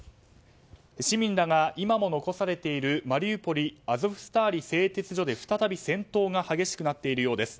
市民らが今も残されているマリウポリアゾフスターリ製鉄所で再び、戦闘が激しくなっているようです。